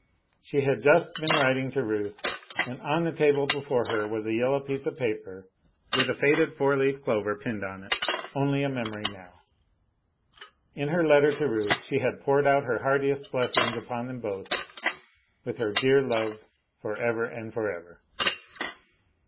She had just been writing to Ruth, and on the table before her was a yellow piece of paper with a faded four leaved clover pinned on it only a memory now. In her letter to Ruth she had poured out her heartiest blessings upon them both, with her dear love forever and forever.